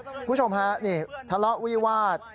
คุณผู้ชมฮะนี่ทะเลาะวิวาส